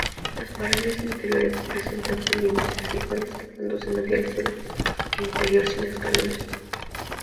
Las paredes interiores presentan pendientes desiguales que conducen hacia el suelo interior sin escalones.